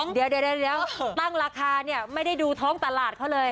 เดี๋ยวตั้งราคาเนี่ยไม่ได้ดูท้องตลาดเขาเลย